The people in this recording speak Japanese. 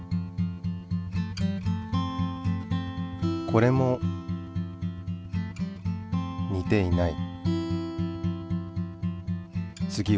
これも似ていない。